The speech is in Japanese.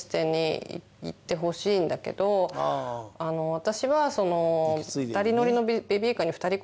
私は。